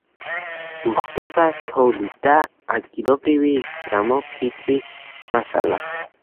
გვხვდება თოვლი და ადგილობრივი გამოფიტვის მასალა.